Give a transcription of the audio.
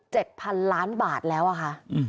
พันล้านบาทแล้วอะค่ะ